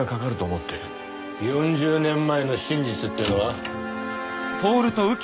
４０年前の真実ってのは？